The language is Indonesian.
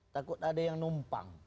takut ada yang numpang